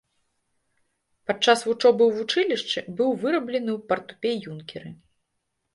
Падчас вучобы ў вучылішчы быў выраблены ў партупей-юнкеры.